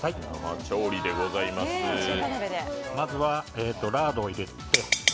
まずはラードを入れて。